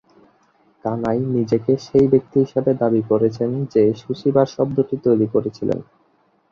কানাই নিজেকে সেই ব্যক্তি হিসাবে দাবি করেছেন যে "সুশি বার" শব্দটি তৈরি করেছিলেন।